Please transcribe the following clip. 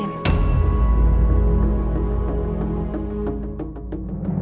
sienna aku mau ke rumah